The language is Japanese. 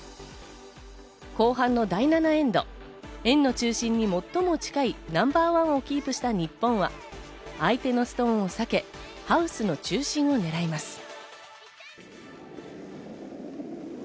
後半の第７エンド、円の中心に最も近いナンバーワンをキープした日本は相手のストーンを避け、ハウスの中心を狙います。